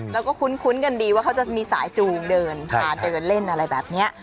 แล้วก็คุ้นกันดีว่าเขาจะมีสายจูงเดินพาเดินเล่นอะไรแบบนี้